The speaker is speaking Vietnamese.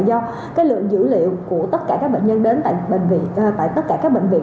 do lượng dữ liệu của tất cả các bệnh nhân đến tại tất cả các bệnh viện